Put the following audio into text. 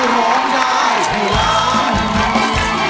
ร้องได้พยาน